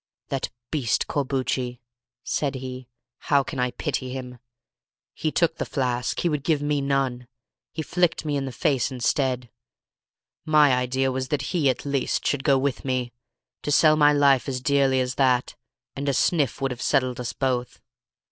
"That beast Corbucci!" said he—"how can I pity him? He took the flask; he would give me none; he flicked me in the face instead. My idea was that he, at least, should go with me—to sell my life as dearly as that—and a sniff would have settled us both.